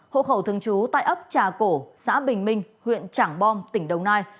hộ khẩu thường trú tại ấp trà cổ xã bình minh huyện trảng bom tỉnh đồng nai